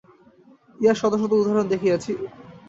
ইহার শত শত উদাহরণ দেখিয়াছি।